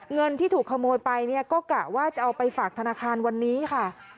เงินที่ถูกขโมยไปเนี่ยก็กะว่าจะเอาไปฝากธนาคารวันนี้ค่ะ